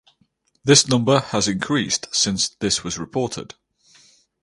This number has increased since this was reported.